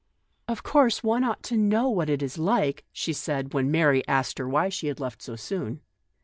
" Of course one ought to Jcnow what it is like/' she said, when Mary asked her why she had left so soon.